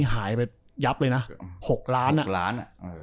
หายไปยับเลยนะ๖ล้าน